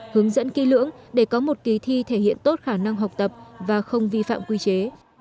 hướng dẫn kỹ lưỡng để có một kỳ thi thể hiện tốt khả năng học tập và không vi phạm quy chế